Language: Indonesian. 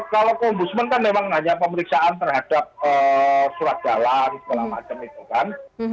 kalau ke ombudsman kan memang hanya pemeriksaan terhadap surat jalan segala macam itu kan